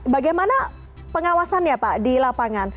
bagaimana pengawasan ya pak di lapangan